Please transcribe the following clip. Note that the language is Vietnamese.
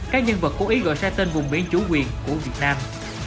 các nhân vật cố ý gọi sai tên vùng biển chủ quyền của việt nam